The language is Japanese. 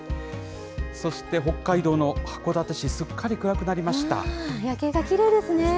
そして北海道の函館市、すっかり夜景がきれいですね。